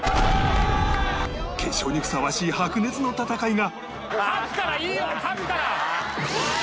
決勝にふさわしい白熱の戦いが！